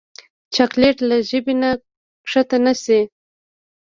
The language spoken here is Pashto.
چاکلېټ له ژبې نه کښته نه شي.